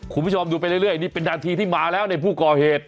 คุณผู้ชมดูไปเรื่อยนี่เป็นนาทีที่มาแล้วในผู้ก่อเหตุ